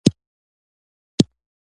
ځای له لاسه ورکړي.